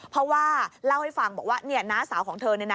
เพราะว่าเล่าให้ฟังบอกว่าน้าสาวของเธอ